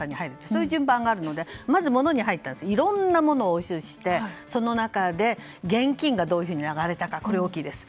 そういう順番があるのでまず、物から入ったいろんなものを押収してその中で現金がどう流れたかはこれは大きいです。